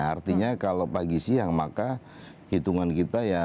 artinya kalau pagi siang maka hitungan kita ya